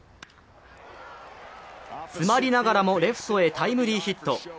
詰まりながらもレフトへタイムリーヒット。